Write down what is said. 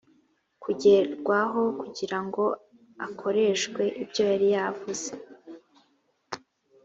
kugerwaho kugira ngo akoreshwe ibyo yari yavuze